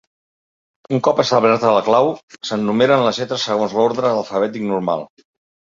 Un cop establerta la clau, se'n numeren les lletres segons l'ordre alfabètic normal.